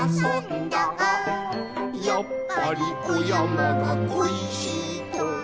「やっぱりおやまがこいしいと」